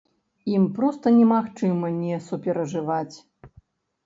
Ім проста немагчыма не суперажываць.